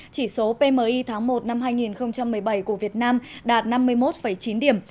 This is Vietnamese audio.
chỉ số pmi tháng một năm hai nghìn một mươi bảy của việt nam đạt năm mươi một chín điểm